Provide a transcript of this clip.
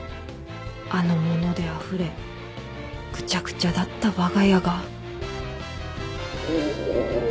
あの物であふれぐちゃぐちゃだったわが家が。